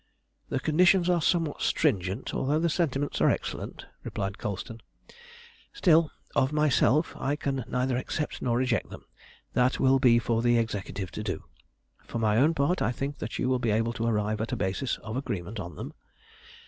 "The conditions are somewhat stringent, although the sentiments are excellent," replied Colston; "still, of myself I can neither accept nor reject them. That will be for the Executive to do. For my own part I think that you will be able to arrive at a basis of agreement on them.